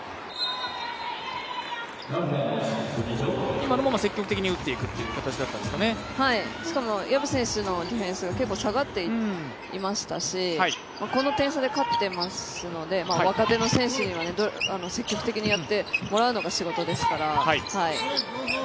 今のも積極的に打っていくっていうしかも薮選手のディフェンス結構下がっていましたしこの点差で勝ってますので若手の選手には積極的にやってもらうのが仕事ですから。